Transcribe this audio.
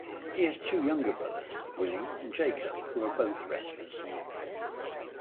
He has two younger brothers, Willy and Jacob, who are both wrestlers.